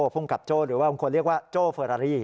พรุ่งกับโจ้หรือว่าควรเรียกว่าโจ้เฟอรารี